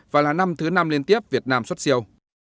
và là năm thứ năm liên tiếp việt nam xuất siêu